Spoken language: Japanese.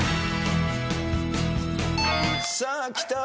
さあきた。